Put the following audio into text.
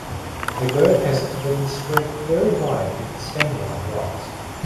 A bird has its wings spread very wide and is standing on rocks.